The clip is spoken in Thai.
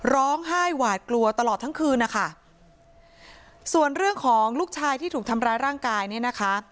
ร้องไห้หวาดกลัวตลอดทั้งคืนนะคะส่วนเรื่องของลูกชายที่ถูกทำร้ายร่างกายเนี่ยนะคะ